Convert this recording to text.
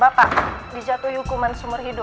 bagaimana tanggapan bapak mengenai hukuman seumur hidup